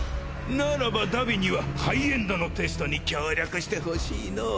ならば荼毘にはハイエンドのテストに協力してほしいのう！